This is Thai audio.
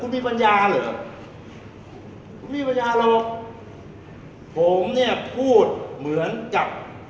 ไอซากเบื้อกูไม่อาจดุ้งหรอก